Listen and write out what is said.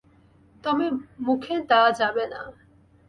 তবে মুখে দেয়া যাবে না।